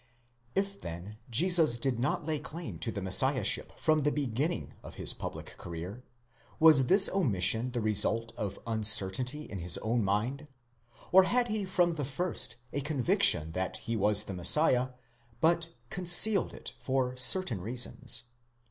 If then Jesus did not lay claim to the Messiahship from the beginning of his public career, was this omission the result of uncertainty in his own mind; or had he from the first a conviction that he was the Messiah, but concealed it for certain reasons?